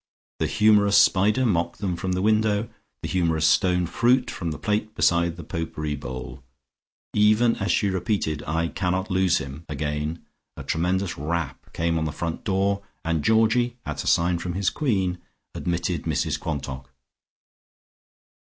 The humorous spider mocked them from the window, the humorous stone fruit from the plate beside the pot pourri bowl. Even as she repeated, "I cannot lose him," again, a tremendous rap came on the front door, and Georgie, at a sign from his queen, admitted Mrs Quantock.